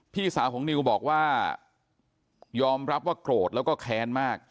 พี่สาวของนิวบอกว่ายอมรับว่าโกรธแล้วก็แค้นมาก